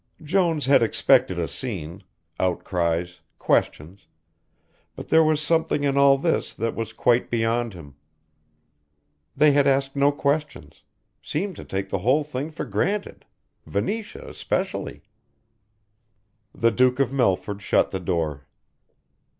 Jones had expected a scene, outcries, questions, but there was something in all this that was quite beyond him. They had asked no questions, seemed to take the whole thing for granted, Venetia especially. The Duke of Melford shut the door.